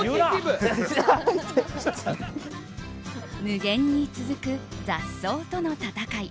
無限に続く雑草との戦い。